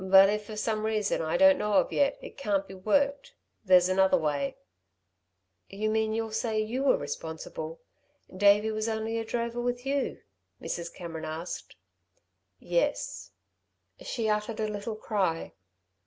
But if, for some reason I don't know of yet, it can't be worked, there's another way." "You mean you'll say you were responsible. Davey was only a drover with you," Mrs. Cameron asked. "Yes." She uttered a little cry.